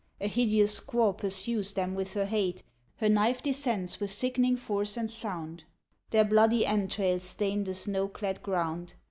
A hideous squaw pursues them with her hate; Her knife descends with sickening force and sound; Their bloody entrails stain the snow clad ground.